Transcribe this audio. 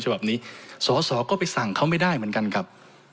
ฉบับนี้สอสอก็ไปสั่งเขาไม่ได้เหมือนกันครับ